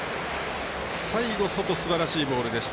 最後、外すばらしいボールでした。